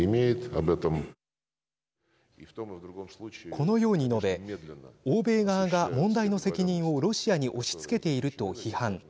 このように述べ欧米側が問題の責任をロシアに押しつけていると批判。